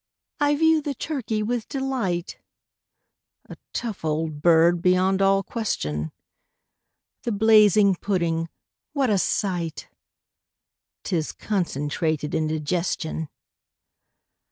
) I view the turkey with delight, (A tough old bird beyond all question!) The blazing pudding what a sight! ('Tis concentrated indigestion!